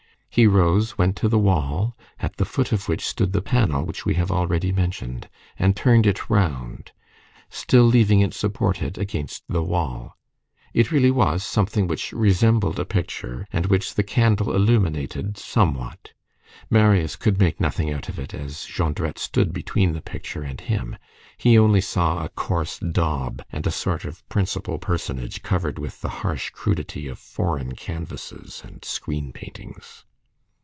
He rose, went to the wall at the foot of which stood the panel which we have already mentioned, and turned it round, still leaving it supported against the wall. It really was something which resembled a picture, and which the candle illuminated, somewhat. Marius could make nothing out of it, as Jondrette stood between the picture and him; he only saw a coarse daub, and a sort of principal personage colored with the harsh crudity of foreign canvasses and screen paintings.